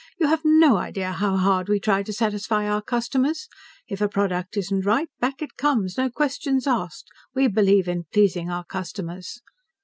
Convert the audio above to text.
"You have no idea how hard we try to satisfy our customers. If a product isn't right, back it comes, no questions asked. We believe in pleasing our customers."